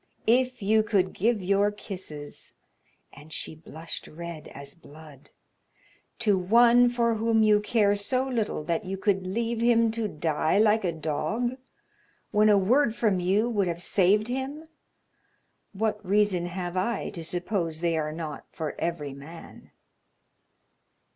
If you could give your kisses" and she blushed red as blood "to one for whom you care so little that you could leave him to die like a dog, when a word from you would have saved him, what reason have I to suppose they are not for every man?"